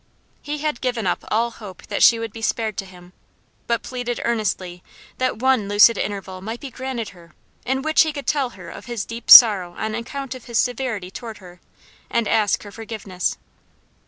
He had given up all hope that she would be spared to him, but pleaded earnestly that one lucid interval might be granted her, in which he could tell her of his deep sorrow on account of his severity toward her, and ask her forgiveness.